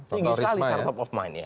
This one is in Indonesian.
tinggi sekali sert of mind ya